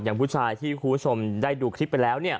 ผู้ชายที่คุณผู้ชมได้ดูคลิปไปแล้วเนี่ย